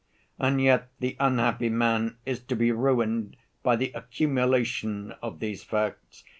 And yet the unhappy man is to be ruined by the accumulation of these facts.